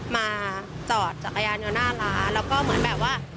มาจอดจักรยานอยู่หน้าร้านแล้วก็เหมือนแบบว่า